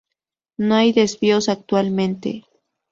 No hay desvíos actualmente.